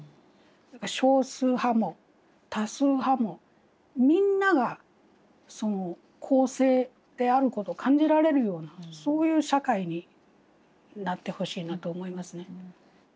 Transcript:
少数派も多数派もみんなが公正であることを感じられるようなそういう社会になってほしいなと思いますね。